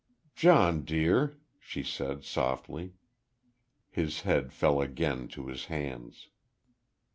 "John, dear," she said, softly. His head fell again to his hands.